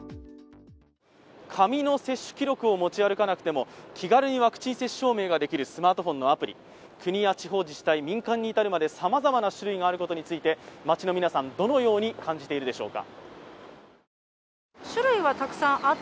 紙の接種記録を持ち歩かなくても気軽にワクチン接種証明ができるスマートフォンのアプリ国や地方自治体民間に至るまで様々な種類があることについて、街の皆さん、どのように感じているでしょうか？